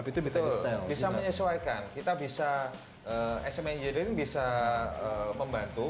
kita bisa menyesuaikan sm engineering bisa membantu